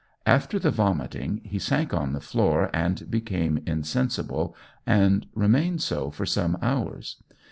After the vomiting he sank on the floor and became insensible, and remained so for some hours.